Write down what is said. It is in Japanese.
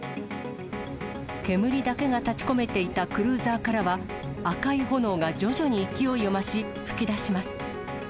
煙だけが立ちこめていたクルーザーからは、赤い炎が徐々に勢いを増し、噴き出します。